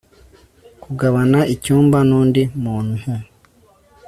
Kugabana icyumba nundi muntu